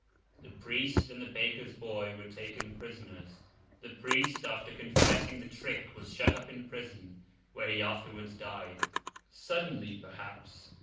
The priest and the baker's boy were taken prisoners. The priest, after confessing the trick, was shut up in prison, where he afterwards died—suddenly perhaps.